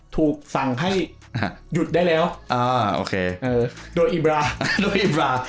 ถูกสั่งให้หยุดได้แล้วอ่าโอเคโดยอิบราโดยอิบรา